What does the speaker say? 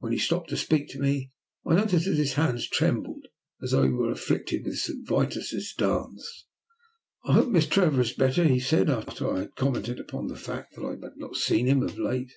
When he stopped to speak to me, I noticed that his hands trembled as though he were afflicted with St. Vitus's dance. "I hope Miss Trevor is better," he said, after I had commented upon the fact that I had not seen him of late.